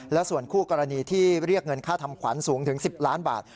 และส่วนคู่กรณีที่เรียกเงินค่าทำขวัญสูงถึง๑๐ล้านบาท